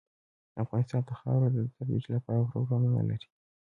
افغانستان د خاوره د ترویج لپاره پروګرامونه لري.